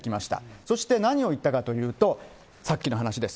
そして何を言ったかというと、さっきの話です。